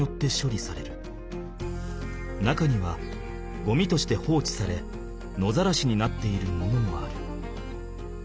中にはゴミとして放置され野ざらしになっているものもある。